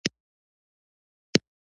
آیا مشهور سندرغاړي کاناډایان نه دي؟